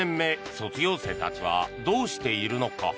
卒業生たちはどうしているのか。